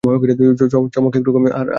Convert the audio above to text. চমক একটু কম, আর কতো চমকাবে?